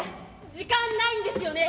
時間ないんですよね。